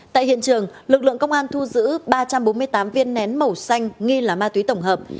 tại hiện trường lực lượng công an thu giữ ba trăm bốn mươi tám viên nén màu xanh nghi là ma túy tổng hợp